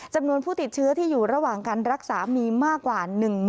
จำนวนผู้ติดเชื้อที่อยู่ระหว่างการรักษามีมากกว่า